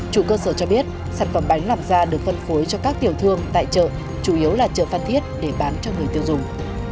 chủ cơ sở cho biết sản phẩm bánh làm ra được phân phối cho các tiểu thương tại chợ chủ yếu là chợ phan thiết để bán cho người tiêu dùng